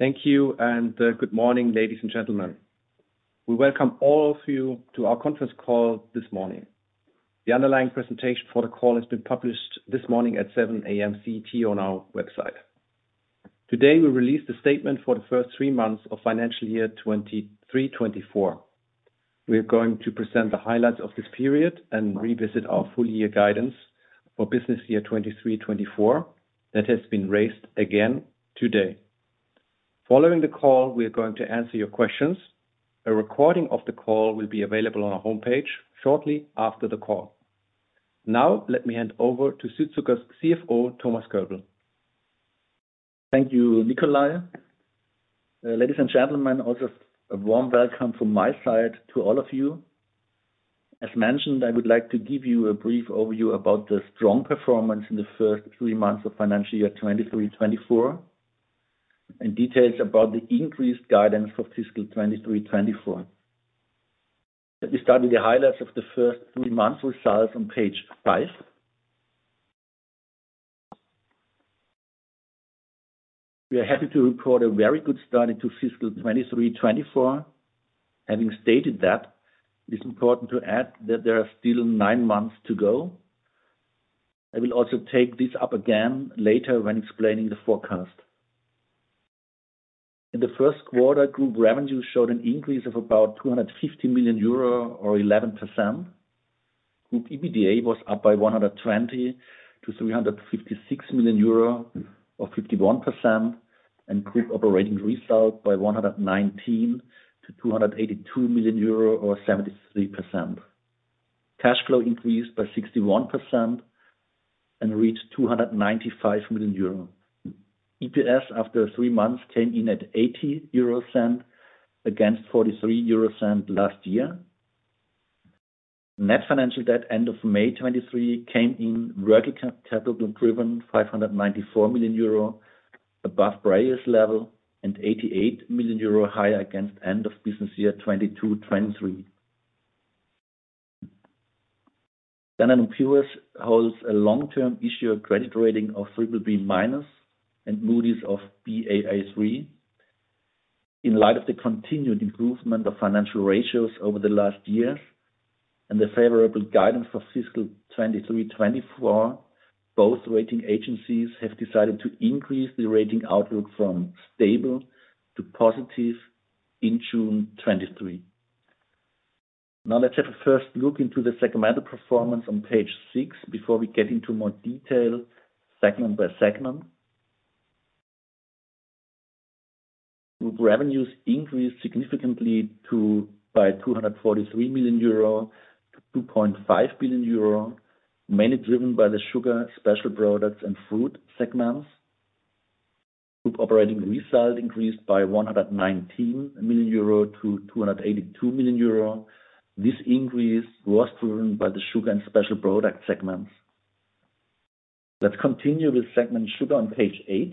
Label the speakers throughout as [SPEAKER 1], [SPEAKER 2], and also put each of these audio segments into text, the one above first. [SPEAKER 1] Thank you. Good morning, ladies and gentlemen. We welcome all of you to our conference call this morning. The underlying presentation for the call has been published this morning at 7:00 A.M. CT on our website. Today, we released a statement for the first three months of financial year 2023/2024. We are going to present the highlights of this period and revisit our full year guidance for business year 2023, 2024, that has been raised again today. Following the call, we are going to answer your questions. A recording of the call will be available on our homepage shortly after the call. Now, let me hand over to Südzucker's CFO, Thomas Kölbl.
[SPEAKER 2] Thank you, Nikolai. Ladies and gentlemen, also a warm welcome from my side to all of you. As mentioned, I would like to give you a brief overview about the strong performance in the first three months of financial year 2023, 2024, and details about the increased guidance for fiscal 2023, 2024. Let me start with the highlights of the first three months, which starts on page five. We are happy to report a very good start into fiscal 2023, 2024. Having stated that, it's important to add that there are still nine months to go. I will also take this up again later when explaining the forecast. In the first quarter, group revenue showed an increase of about 250 million euro or 11%. Group EBITDA was up by 120 million to 356 million euro, or 51%, and group operating result by 119 million to 282 million euro, or 73%. Cash flow increased by 61% and reached 295 million euro. EPS, after three months, came in at 0.80, against 0.43 last year. Net financial debt, end of May 2023, came in working capital-driven, 594 million euro above previous level, and 88 million euro higher against end of business year 2022, 2023. Standard & Poor's holds a long-term issuer credit rating of BBB-, and Moody's of Baa3. In light of the continued improvement of financial ratios over the last year and the favorable guidance for fiscal 2023, 2024, both rating agencies have decided to increase the rating outlook from stable to positive in June 2023. Let's have a first look into the segmental performance on page six before we get into more detail, segment-by-segment. Group revenues increased significantly by 243 million euro to 2.5 billion euro, mainly driven by the Sugar, Special Products, and Fruit segments. Group operating result increased by 119 million euro to 282 million euro. This increase was driven by the Sugar and Special Product segments. Let's continue with segment Sugar on page eight.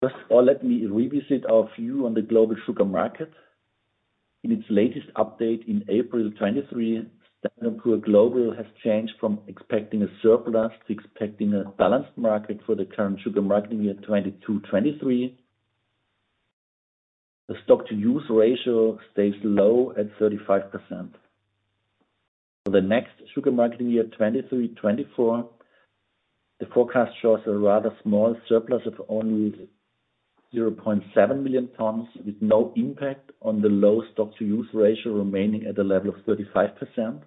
[SPEAKER 2] First of all, let me revisit our view on the global sugar market. In its latest update in April 2023, S&P Global has changed from expecting a surplus to expecting a balanced market for the current sugar marketing year, 2022, 2023. The stock-to-use ratio stays low at 35%. For the next sugar marketing year, 2023, 2024, the forecast shows a rather small surplus of only 0.7 million tons, with no impact on the low stock-to-use ratio remaining at a level of 35%.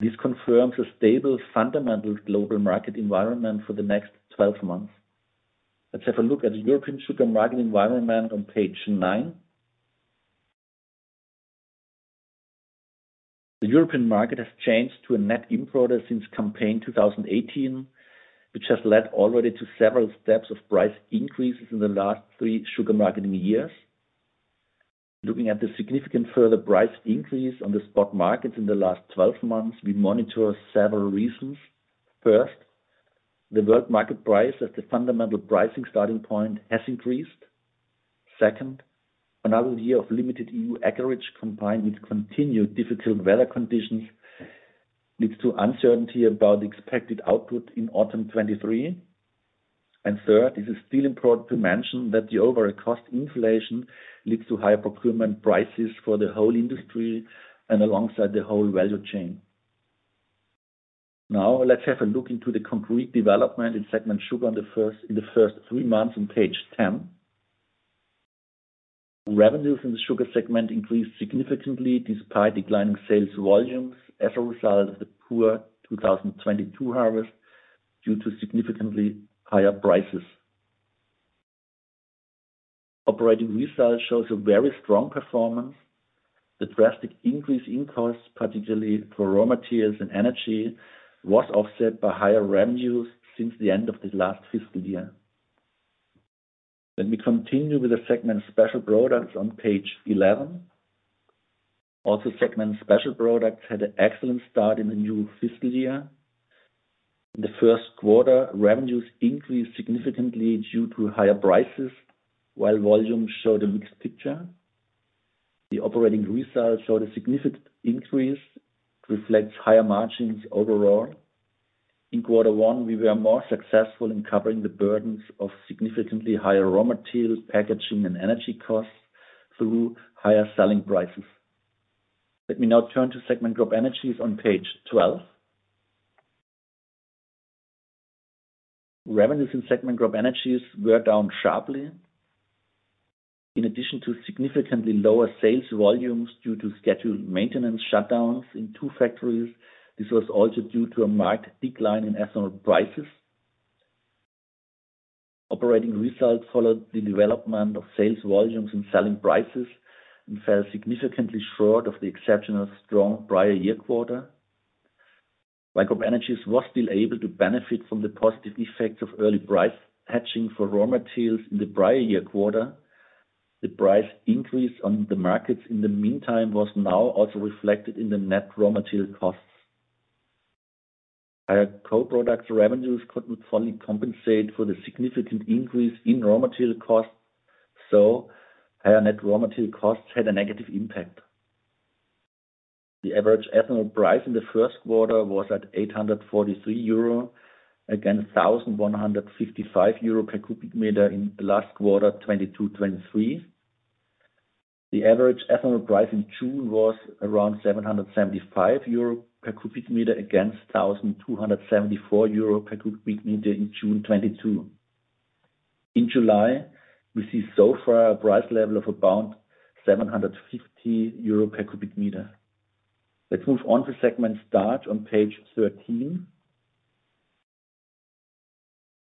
[SPEAKER 2] This confirms a stable, fundamental global market environment for the next 12 months. Let's have a look at the European sugar market environment on page 9. The European market has changed to a net importer since campaign 2018, which has led already to several steps of price increases in the last three sugar marketing years. Looking at the significant further price increase on the spot markets in the last 12 months, we monitor several reasons. First, the world market price as the fundamental pricing starting point has increased. Second, another year of limited EU acreage, combined with continued difficult weather conditions, leads to uncertainty about the expected output in autumn 2023. Third, it is still important to mention that the overall cost inflation leads to higher procurement prices for the whole industry and alongside the whole value chain. Now, let's have a look into the complete development in segment sugar in the first 3 months on page 10. Revenues in the sugar segment increased significantly despite declining sales volumes as a result of the poor 2022 harvest, due to significantly higher prices. Operating results shows a very strong performance. The drastic increase in costs, particularly for raw materials and energy, was offset by higher revenues since the end of the last fiscal year. Let me continue with the segment Special Products on page 11. Also, segment Special Products had an excellent start in the new fiscal year. In the first quarter, revenues increased significantly due to higher prices, while volumes showed a mixed picture. The operating results showed a significant increase, reflects higher margins overall. In quarter one, we were more successful in covering the burdens of significantly higher raw material, packaging, and energy costs through higher selling prices. Let me now turn to segment CropEnergies on page 12. Revenues in segment CropEnergies were down sharply. In addition to significantly lower sales volumes due to scheduled maintenance shutdowns in two factories, this was also due to a marked decline in ethanol prices. Operating results followed the development of sales volumes and selling prices and fell significantly short of the exceptional strong prior year quarter. CropEnergies was still able to benefit from the positive effects of early price hedging for raw materials in the prior year quarter. The price increase on the markets in the meantime, was now also reflected in the net raw material costs. Co-product revenues couldn't fully compensate for the significant increase in raw material costs, so higher net raw material costs had a negative impact. The average ethanol price in the first quarter was at 843 euro, against 1,155 euro per cubic meter in the last quarter, 2022-2023. The average ethanol price in June was around 775 euro per cubic meter, against 1,274 euro per cubic meter in June 2022. In July, we see so far a price level of about 750 euro per cubic meter. Let's move on to segment Starch on page 13.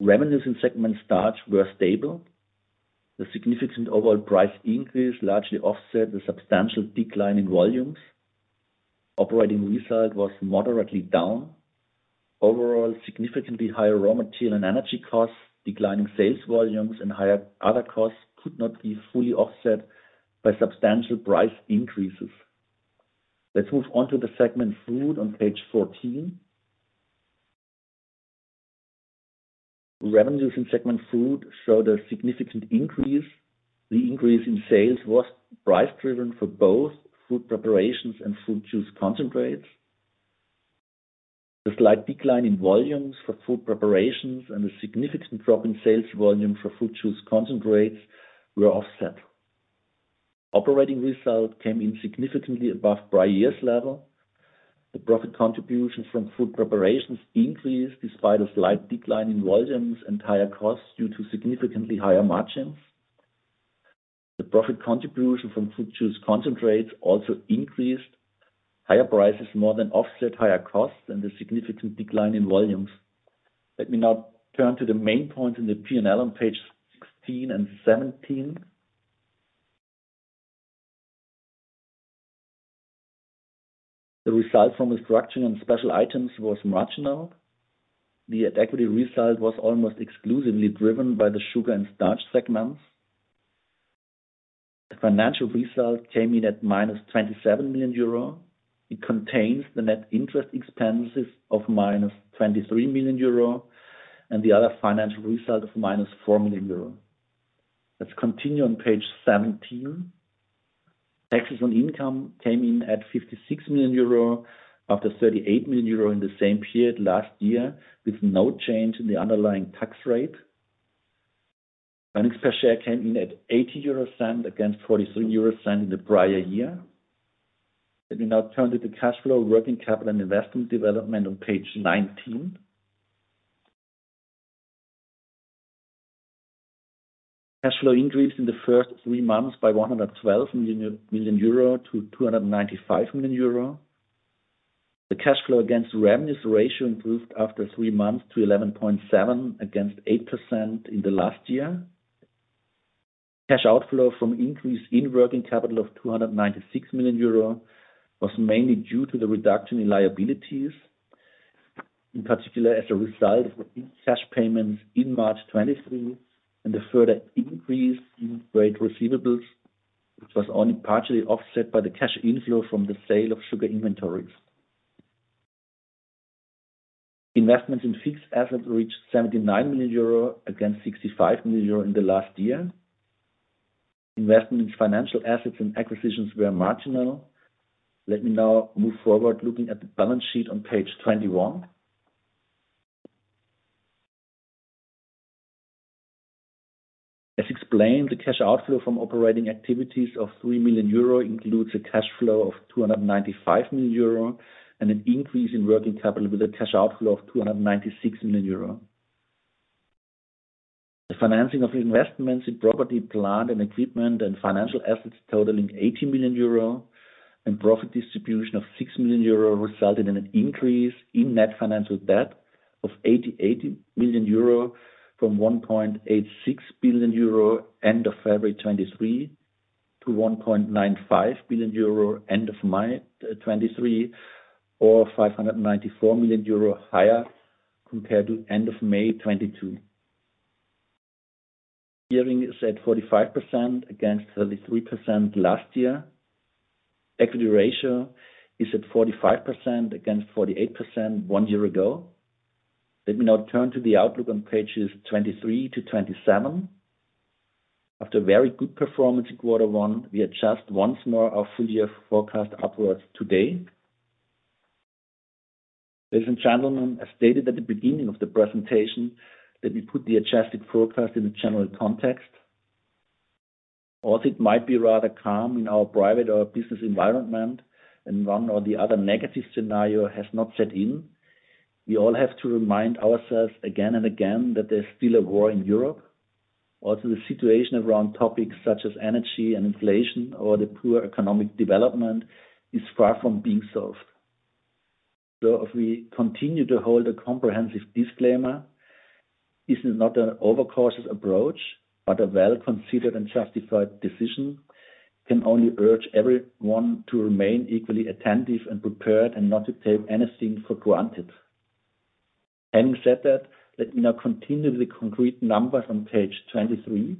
[SPEAKER 2] Revenues in segment Starch were stable. The significant overall price increase largely offset the substantial decline in volumes. Operating result was moderately down. Overall, significantly higher raw material and energy costs, declining sales volumes and higher other costs could not be fully offset by substantial price increases. Let's move on to the segment Fruit on page 14. Revenues in segment Fruit showed a significant increase. The increase in sales was price driven for both food preparations and fruit juice concentrates. The slight decline in volumes for food preparations and a significant drop in sales volume for fruit juice concentrates were offset. Operating result came in significantly above prior year's level. The profit contribution from food preparations increased despite a slight decline in volumes and higher costs due to significantly higher margins. The profit contribution from fruit juice concentrates also increased. Higher prices more than offset higher costs and a significant decline in volumes. Let me now turn to the main point in the P&L on page 16 and 17. The result from restructuring and special items was marginal. The equity result was almost exclusively driven by the Sugar and Starch segments. The financial result came in at -27 million euro. It contains the net interest expenses of -23 million euro and the other financial result of -4 million euro. Let's continue on page 17. Taxes on income came in at 56 million euro, after 38 million euro in the same period last year, with no change in the underlying tax rate. Earnings per share came in at 0.80 against 0.43 in the prior year. Let me now turn to the cash flow, working capital and investment development on page 19. Cash flow increased in the first three months by 112 million euro to 295 million euro. The cash flow against revenues ratio improved after three months to 11.7% against 8% in the last year. Cash outflow from increase in working capital of 296 million euro was mainly due to the reduction in liabilities, in particular as a result of cash payments in March 2023, and the further increase in trade receivables, which was only partially offset by the cash inflow from the sale of Sugar inventories. Investments in fixed assets reached 79 million euro against 65 million euro in the last year. Investment in financial assets and acquisitions were marginal. Let me now move forward, looking at the balance sheet on page 21. As explained, the cash outflow from operating activities of 3 million euro includes a cash flow of 295 million euro and an increase in working capital with a cash outflow of 296 million euro. The financing of investments in property, plant and equipment and financial assets totaling 80 million euro and profit distribution of 6 million euro, resulted in an increase in net financial debt of 88 million euro from 1.86 billion euro end of February 2023, to 1.95 billion euro, end of May 2023, or 594 million euro higher compared to end of May 2022. Gearing is at 45% against 33% last year. Equity ratio is at 45% against 48% one year ago. Let me now turn to the outlook on pages 23-27. After a very good performance in Q1, we adjust once more our full year forecast upwards today. Ladies and gentlemen, as stated at the beginning of the presentation, let me put the adjusted forecast in a general context. Although it might be rather calm in our private or business environment and one or the other negative scenario has not set in, we all have to remind ourselves again and again that there's still a war in Europe. The situation around topics such as energy and inflation or the poor economic development is far from being solved. If we continue to hold a comprehensive disclaimer, this is not an overcautious approach, but a well-considered and justified decision. Can only urge everyone to remain equally attentive and prepared and not to take anything for granted. Having said that, let me now continue with the concrete numbers on page 23.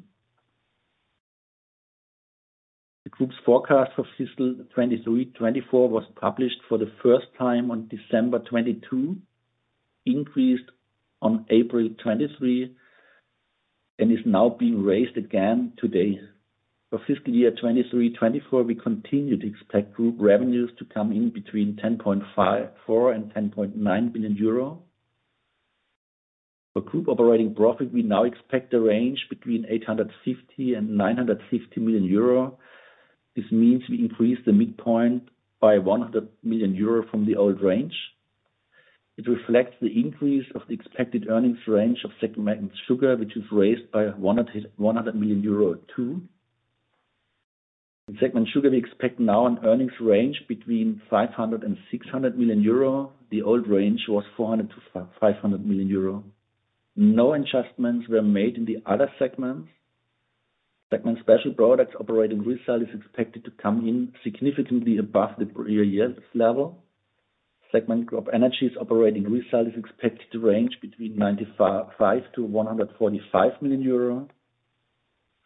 [SPEAKER 2] The group's forecast for fiscal 2023, 2024 was published for the first time on December 22, increased on April 23, and is now being raised again today. For fiscal year 2023, 2024, we continue to expect group revenues to come in between 10.54 billion-10.9 billion euro. For group operating profit, we now expect a range between 850 million-950 million euro. This means we increase the midpoint by 100 million euro from the old range. It reflects the increase of the expected earnings range of segment Sugar, which is raised by 100 million euro too. In segment Sugar, we expect now an earnings range between 500 million-600 million euro. The old range was 400 million-500 million euro. No adjustments were made in the other segments. Segment Special Products operating result is expected to come in significantly above the prior year's level. Segment CropEnergies' operating result is expected to range between 95 million-145 million euro.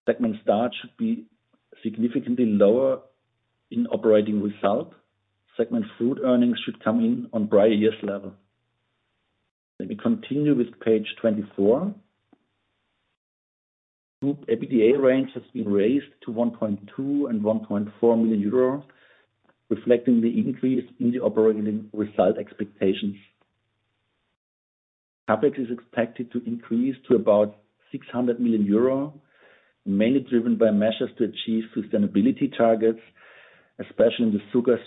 [SPEAKER 2] Segment Starch should be significantly lower in operating result. Segment Fruit earnings should come in on prior year's level. Let me continue with page 24. Group EBITDA range has been raised to 1.2 million-1.4 million euros, reflecting the increase in the operating result expectations. CapEx is expected to increase to about 600 million euro, mainly driven by measures to achieve sustainability targets, especially in the Sugar,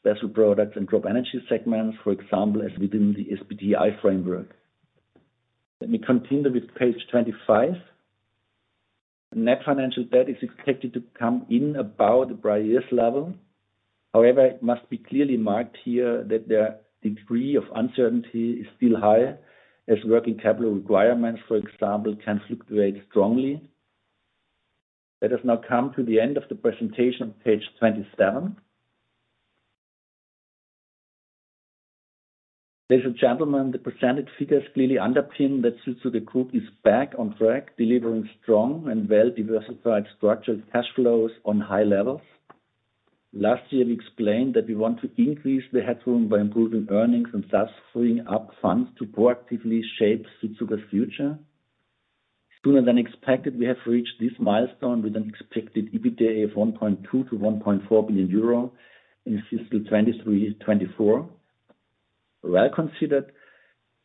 [SPEAKER 2] Special Products, and CropEnergies segments, for example, as within the SBTi framework. Let me continue with page 25. Net financial debt is expected to come in about the prior year's level. However, it must be clearly marked here that the degree of uncertainty is still high, as working capital requirements, for example, can fluctuate strongly. That has now come to the end of the presentation on page 27. Ladies and gentlemen, the percentage figures clearly underpin that Südzucker Group is back on track, delivering strong and well-diversified structured cash flows on high levels. Last year, we explained that we want to increase the headroom by improving earnings and thus freeing up funds to proactively shape Südzucker's future. Than expected, we have reached this milestone with an expected EBITDA of 1.2 billion-1.4 billion euro in fiscal 2023, 2024. Well considered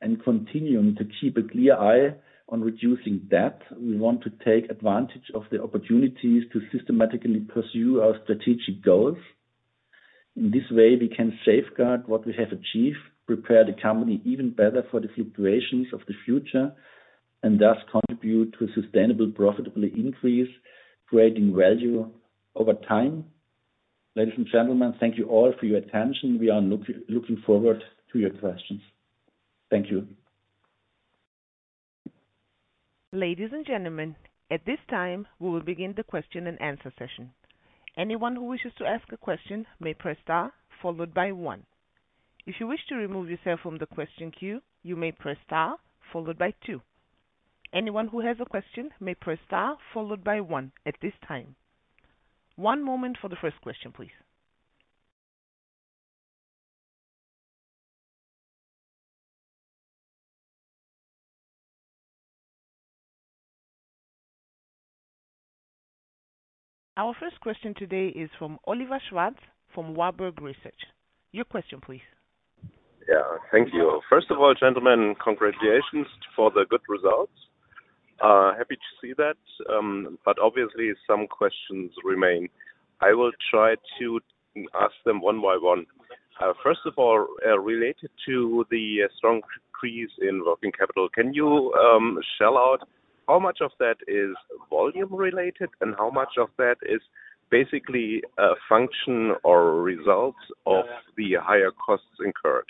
[SPEAKER 2] and continuing to keep a clear eye on reducing debt, we want to take advantage of the opportunities to systematically pursue our strategic goals. In this way, we can safeguard what we have achieved, prepare the company even better for the fluctuations of the future, and thus contribute to a sustainable, profitable increase, creating value over time. Ladies and gentlemen, thank you all for your attention. We are looking forward to your questions. Thank you.
[SPEAKER 3] Ladies and gentlemen, at this time, we will begin the question and answer session. Anyone who wishes to ask a question may press star followed by one. If you wish to remove yourself from the question queue, you may press star followed by two. Anyone who has a question may press star followed by one at this time. One moment for the first question, please. Our first question today is from Oliver Schwarz, from Warburg Research. Your question, please.
[SPEAKER 4] Thank you. First of all, gentlemen, congratulations for the good results. Happy to see that, obviously some questions remain. I will try to ask them one-by-one. First of all, related to the strong increase in working capital, can you shell out how much of that is volume related and how much of that is basically a function or results of the higher costs incurred?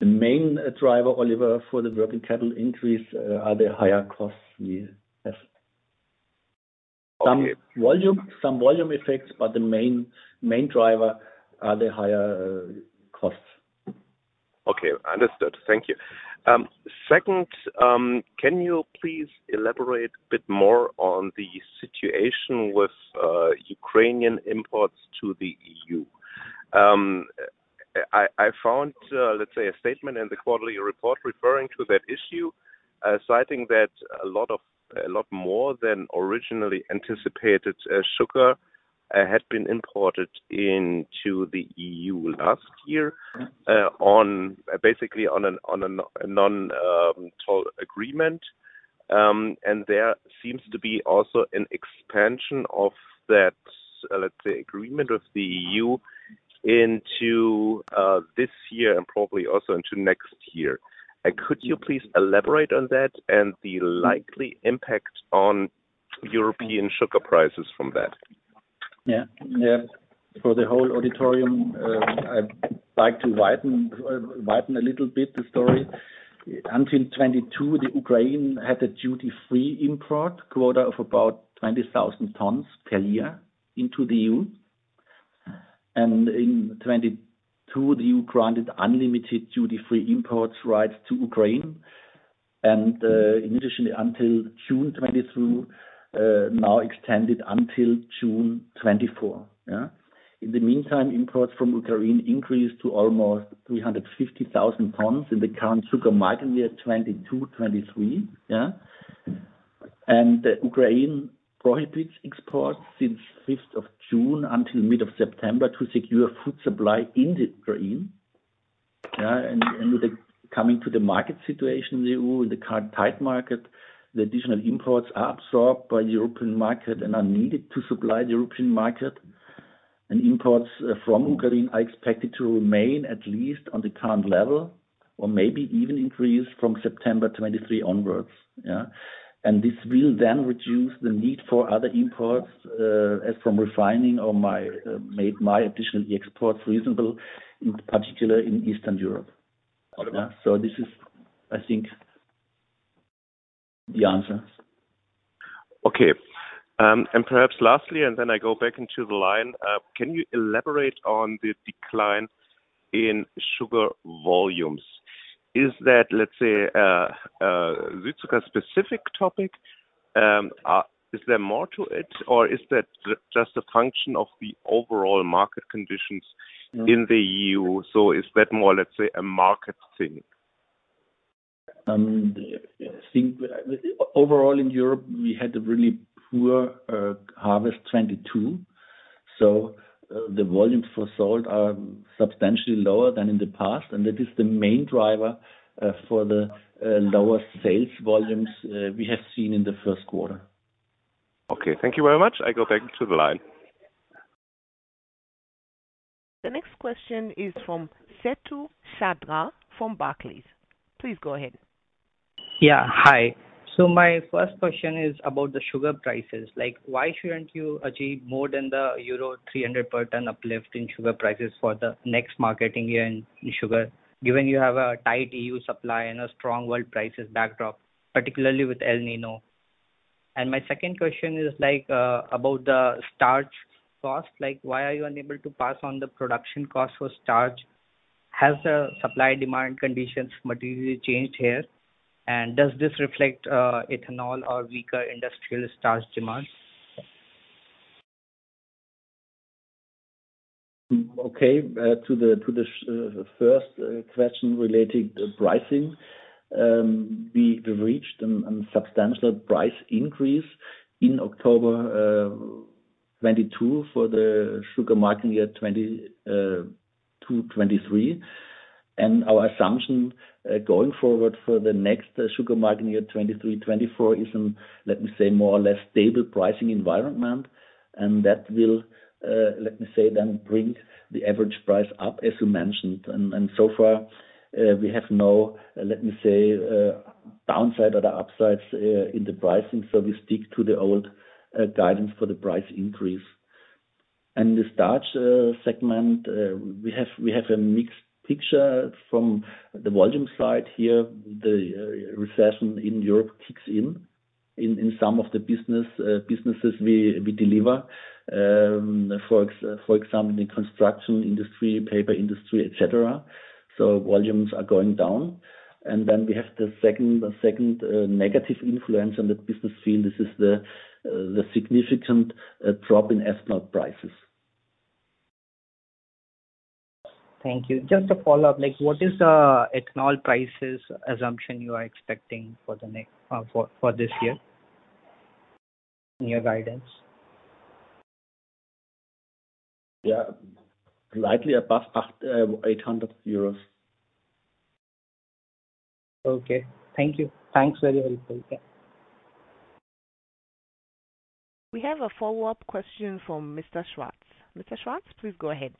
[SPEAKER 2] The main driver, Oliver, for the working capital increase, are the higher costs we have.
[SPEAKER 4] Okay.
[SPEAKER 2] Some volume effects; but the main driver are the higher costs.
[SPEAKER 4] Okay, understood. Thank you. Second, can you please elaborate a bit more on the situation with Ukrainian imports to the EU? I found, let's say, a statement in the quarterly report referring to that issue. I think that a lot more than originally anticipated, sugar, had been imported into the EU last year, on basically on a, on a non-toll agreement. There seems to be also an expansion of that, let's say, agreement with the EU into this year and probably also into next year. Could you please elaborate on that and the likely impact on European sugar prices from that?
[SPEAKER 2] Yeah. Yeah. For the whole auditorium, I'd like to widen a little bit the story. Until 2022, the Ukraine had a duty-free import quota of about 20,000 tons per year into the EU. In 2022, the EU granted unlimited duty-free imports rights to Ukraine, initially until June 2022, now extended until June 2024. Yeah. In the meantime, imports from Ukraine increased to almost 350,000 tons in the current sugar marketing year, 2022, 2023. Ukraine prohibits exports since 5th of June until mid of September to secure food supply in Ukraine. With the coming to the market situation, the EU, in the current tight market, the additional imports are absorbed by European market and are needed to supply the European market. Imports from Ukraine are expected to remain at least on the current level, or maybe even increase from September 2023 onwards. This will then reduce the need for other imports, as from refining or my, made my additional exports reasonable, in particular in Eastern Europe. This is, I think, the answer.
[SPEAKER 4] Okay. Perhaps lastly, then I go back into the line. Can you elaborate on the decline in sugar volumes? Is that, let's say, a Südzucker specific topic? Is there more to it, or is that just a function of the overall market conditions —
[SPEAKER 2] Mm.
[SPEAKER 4] — in the EU? Is that more, let's say, a market thing?
[SPEAKER 2] I think overall in Europe, we had a really poor harvest 2022, so the volumes for sugar are substantially lower than in the past, and that is the main driver for the lower sales volumes we have seen in the first quarter.
[SPEAKER 4] Okay, thank you very much. I go back to the line.
[SPEAKER 3] The next question is from Setu Sharda, from Barclays. Please go ahead.
[SPEAKER 5] Yeah, hi. My first question is about the sugar prices. Like, why shouldn't you achieve more than the euro 300 per ton uplift in sugar prices for the next marketing year in sugar, given you have a tight EU supply and a strong world prices backdrop, particularly with El Niño? My second question is like, about the starch cost. Like, why are you unable to pass on the production cost for starch? Has the supply-demand conditions materially changed here? Does this reflect ethanol or weaker industrial Starch demand?
[SPEAKER 2] Okay, to the first question related to pricing. We've reached a substantial price increase in October 2022 for the sugar marketing year 2022, 2023. Our assumption going forward for the next sugar marketing year, 2023, 2024, is, let me say, more or less stable pricing environment, and that will, let me say, then bring the average price up, as you mentioned. So far, we have no, let me say, downside or the upsides in the pricing. We stick to the old guidance for the price increase. The Starch segment, we have a mixed picture from the volume side here. The recession in Europe kicks in in some of the business — businesses we deliver, for example, in the construction industry, paper industry, et cetera. Volumes are going down. We have the second negative influence on the business field. This is the significant drop in ethanol prices.
[SPEAKER 5] Thank you. Just a follow-up, like, what is the ethanol prices assumption you are expecting for this year in your guidance?
[SPEAKER 2] Yeah. Likely above EUR 800.
[SPEAKER 5] Okay. Thank you. Thanks very much. Okay.
[SPEAKER 3] We have a follow-up question from Mr. Schwarz. Mr. Schwarz, please go ahead.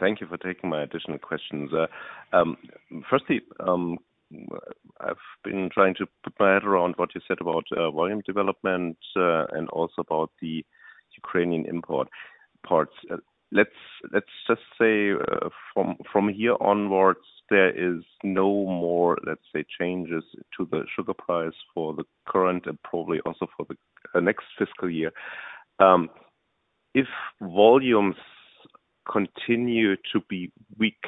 [SPEAKER 4] Thank you for taking my additional questions. Firstly, I've been trying to prepare around what you said about volume development and also about the Ukrainian import parts. Let's just say, from here onwards, there is no more, let's say, changes to the sugar price for the current and probably also for the next fiscal year. If volumes continue to be weak,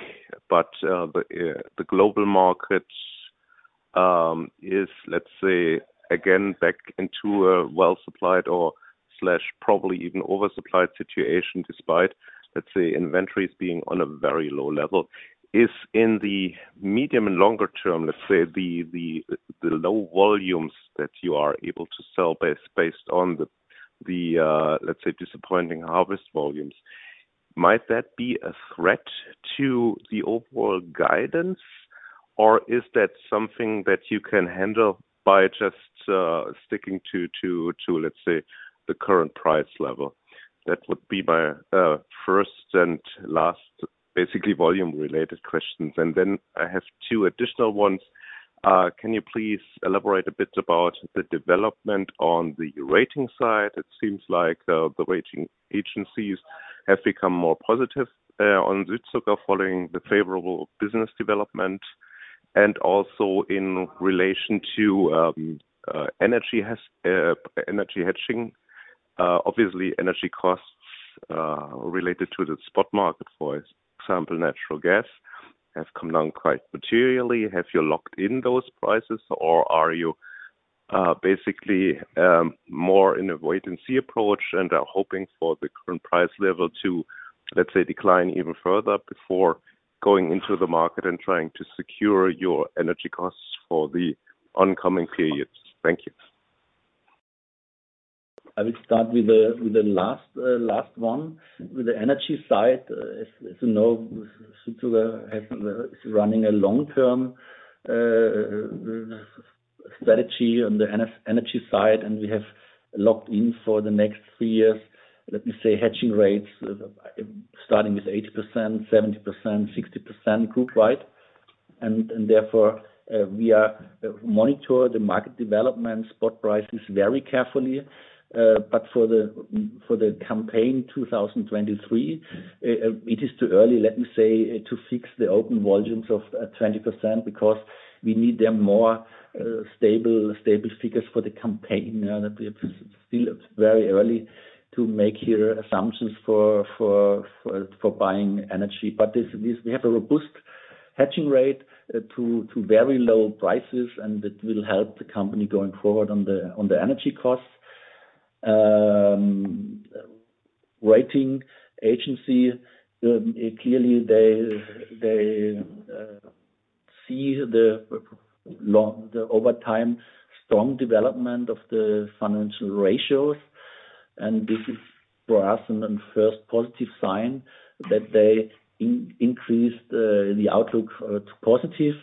[SPEAKER 4] but the global markets is, let's say, again, back into a well-supplied or slash probably even oversupplied situation, despite, let's say, inventories being on a very low level. Is in the medium and longer term, let's say, the low volumes that you are able to sell based on the, let's say, disappointing harvest volumes, might that be a threat to the overall guidance? Is that something that you can handle by just sticking to, let's say, the current price level? That would be my first and last, basically, volume-related questions. Then I have two additional ones. Can you please elaborate a bit about the development on the rating side? It seems like the rating agencies have become more positive on Südzucker, following the favorable business development, and also in relation to energy hedging. Obviously, energy costs, related to the spot market, for example, natural gas, have come down quite materially. Have you locked in those prices, or are you, basically, more in a wait-and-see approach and are hoping for the current price level to, let's say, decline even further before going into the market and trying to secure your energy costs for the oncoming periods? Thank you.
[SPEAKER 2] I will start with the last one. With the energy side, as you know, Südzucker have is running a long-term strategy on the energy side. We have locked in for the next three years, let me say, hedging rates, starting with 80%, 70%, 60% group-wide. Therefore, we are monitor the market development spot prices very carefully. For the campaign 2023, it is too early, let me say, to fix the open volumes of 20%, because we need them more stable figures for the campaign. Now that it's still very early to make here assumptions for buying energy. This we have a robust hedging rate to very low prices, and it will help the company going forward on the energy costs. Rating agency clearly, they see the over-time strong development of the financial ratios, and this is, for us, a first positive sign that they increased the outlook to positive.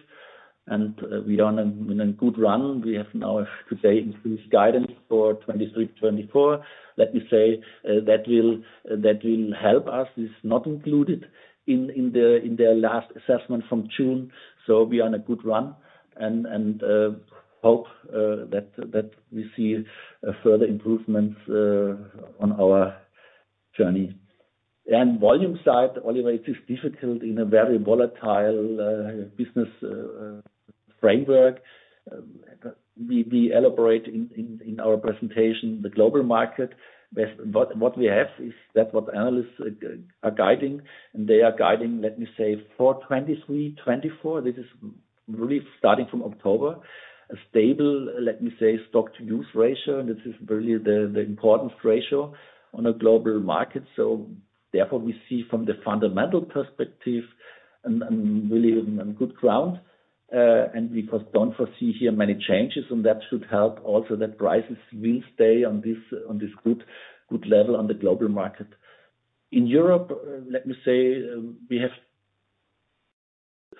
[SPEAKER 2] We're on a good run. We have now, to say, increased guidance for 2023, 2024. Let me say, that will help us, is not included in the, in their last assessment from June. We are on a good run and hope that we see a further improvements on our journey. Volume side, Oliver, it is difficult in a very volatile business framework. We elaborate in our presentation, the global market. What we have is that what analysts are guiding, and they are guiding, let me say, for 2023, 2024, this is really starting from October. A stable, let me say, stock-to-use ratio, and this is really the important ratio on a global market. Therefore, we see from the fundamental perspective and really on good ground, and we don't foresee here many changes, and that should help also, that prices will stay on this good level on the global market. In Europe, let me say, we have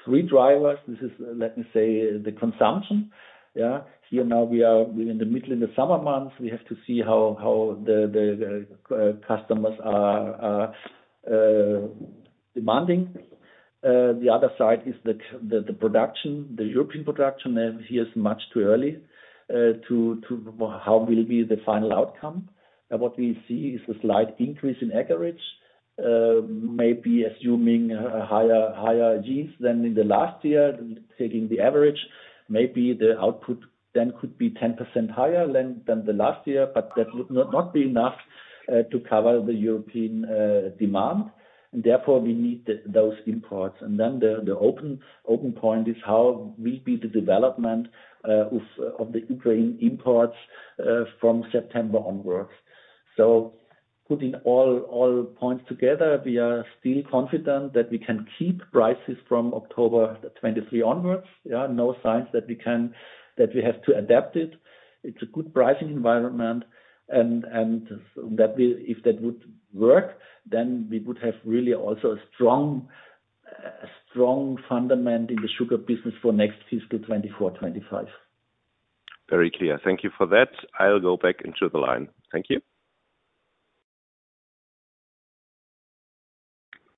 [SPEAKER 2] three drivers. This is, let me say, the consumption. Yeah. Here, now, we are in the middle of the summer months. We have to see how the customers are demanding. The other side is the production, the European production, here is much too early to how will be the final outcome. What we see is a slight increase in acreage, maybe assuming a higher yields than in the last year, taking the average. Maybe the output then could be 10% higher than the last year, that would not be enough to cover the European demand, therefore, we need those imports. The open point is how will be the development of the Ukraine imports from September onwards. Putting all points together, we are still confident that we can keep prices from October 2023 onwards. There are no signs that we have to adapt it. It's a good pricing environment, and If that would work, then we would have really also a strong, a strong fundament in the sugar business for next fiscal 2024, 2025.
[SPEAKER 4] Very clear. Thank you for that. I'll go back into the line. Thank you.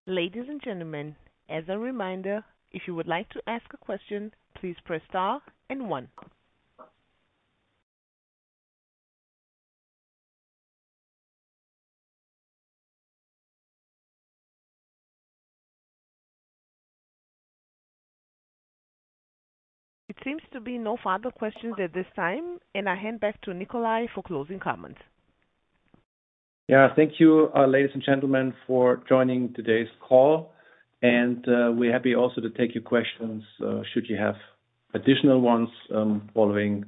[SPEAKER 3] Ladies and gentlemen, as a reminder, if you would like to ask a question, please press star and one. It seems to be no further questions at this time, I hand back to Nikolai for closing comments.
[SPEAKER 1] Yeah. Thank you, ladies and gentlemen, for joining today's call, and we're happy also to take your questions, should you have additional ones, following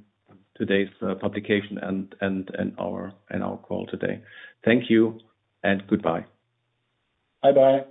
[SPEAKER 1] today's publication and our call today. Thank you and goodbye.
[SPEAKER 2] Bye-bye.